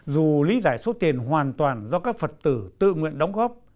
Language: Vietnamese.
dù lý giải số tiền hoàn toàn do các phật tử tự nguyện đóng góp